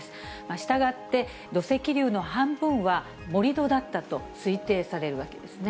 したがって、土石流の半分は盛り土だったと推定されるわけですね。